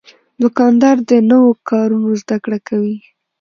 دوکاندار د نوو کارونو زدهکړه کوي.